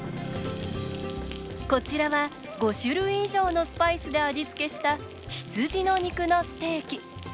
こちらは５種類以上のスパイスで味付けした羊の肉のステーキ。